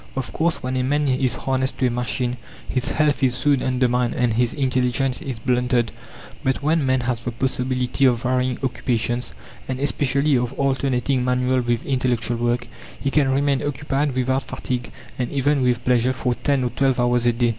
Of course, when a man is harnessed to a machine, his health is soon undermined and his intelligence is blunted; but when man has the possibility of varying occupations, and especially of alternating manual with intellectual work, he can remain occupied without fatigue, and even with pleasure, for 10 or 12 hours a day.